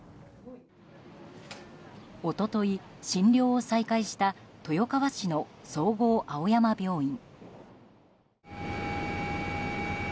一昨日、診療を再開した豊川市の総合青山病院。